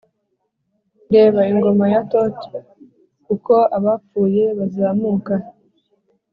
'reba,' ingoma ya taut, 'uko abapfuye bazamuka: